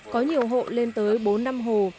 có nhiều hộ lên tới bốn năm hồ